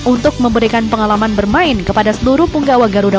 untuk memberikan pengalaman bermain kepada seluruh penggawa garuda